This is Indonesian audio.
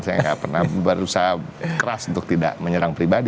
saya nggak pernah berusaha keras untuk tidak menyerang pribadi